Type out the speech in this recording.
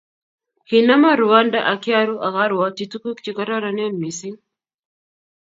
Kinama rwondo akiaru akarwotchi tukuk che keroronen mising